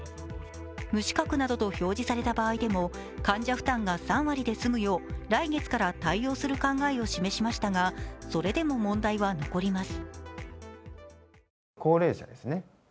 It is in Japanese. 無資格などと表示された場合でも患者負担が３割で済むよう来月から対応する考えを示しましたがそれでも問題は残ります。